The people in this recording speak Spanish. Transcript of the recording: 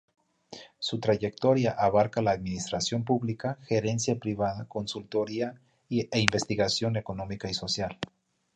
Su trayectoria abarca la administración pública, gerencia privada, consultoría e investigación económica y social.